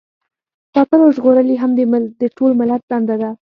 ساتل او ژغورل یې هم د ټول ملت دنده ده.